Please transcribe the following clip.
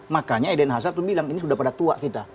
makanya eden hazar tuh bilang ini sudah pada tua kita